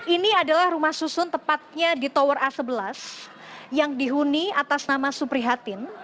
ini adalah rumah susun tepatnya di tower a sebelas yang dihuni atas nama suprihatin